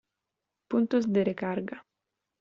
Puntos de Recarga